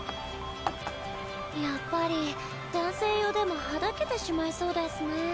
やっぱり男性用でもはだけてしまいそうデスネ。